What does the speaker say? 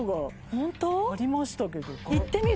ホント？ありましたけど。